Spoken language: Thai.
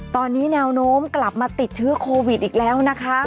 ตอนนี้แนวโน้มกลับมาติดเชื้อโควิดอีกแล้วนะคะ